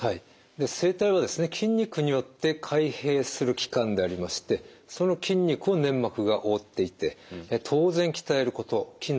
で声帯はですね筋肉によって開閉する器官でありましてその筋肉を粘膜が覆っていて当然鍛えること筋トレすることができます。